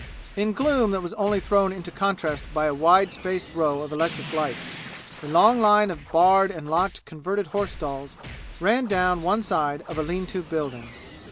In gloom that was only thrown into contrast by a wide spaced row of electric lights, a long line of barred and locked converted horse stalls ran down one side of a lean to building.